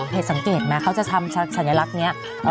สังเกตไหมเขาจะทำสัญลักษณ์นี้